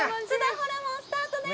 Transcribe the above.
ホルモンスタートです。